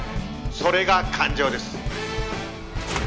それが感情です